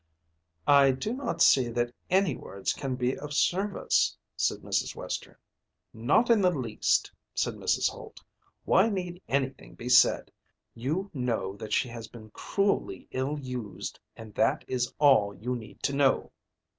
"I do not see that any words can be of service," said Mrs. Western. "Not in the least," said Mrs. Holt. "Why need anything be said? You know that she has been cruelly ill used, and that is all you need know."